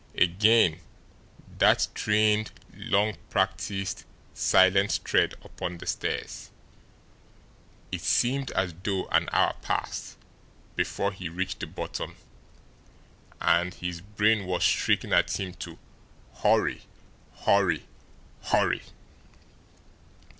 Again that trained, long practiced, silent tread upon the stairs. It seemed as though an hour passed before he reached the bottom, and his brain was shrieking at him to hurry, hurry, HURRY!